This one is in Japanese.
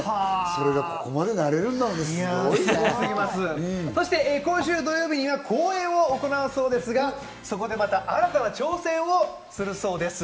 それがこそして今週土曜日には公演を行うそうですが、そこでまた新たな挑戦をするそうです。